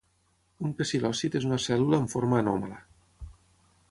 Un pecilòcit és una cèl·lula amb forma anòmala.